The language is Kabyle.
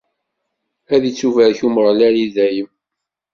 Ad ittubarek Umeɣlal i dayem!